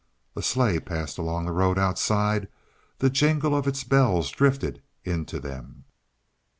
A sleigh passed along the road outside; the jingle of its bells drifted in to them.